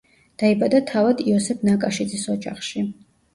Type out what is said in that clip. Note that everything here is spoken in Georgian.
დაიბადა თავად იოსებ ნაკაშიძის ოჯახში.